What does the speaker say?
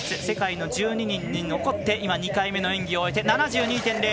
世界の１２人に残って２回目の演技を終えて７２．００。